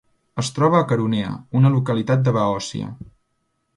Es troba a Queronea, una localitat de Beòcia.